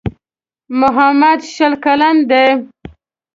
محمد شل کلن دی.